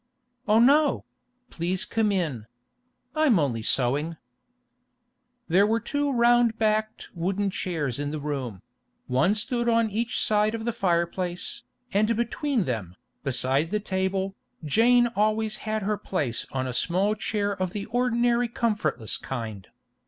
'Oh no! Please come in. I'm only sewing.' There were two round backed wooden chairs in the room; one stood on each side of the fireplace, and between them, beside the table, Jane always had her place on a small chair of the ordinary comfortless kind.